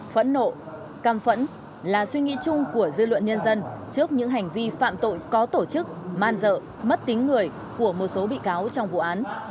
phẫn nộ cam phẫn là suy nghĩ chung của dư luận nhân dân trước những hành vi phạm tội có tổ chức man dợ mất tính người của một số bị cáo trong vụ án